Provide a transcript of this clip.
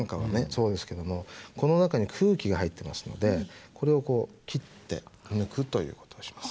そうですけどもこの中に空気が入ってますのでこれをこう切って抜くということをします。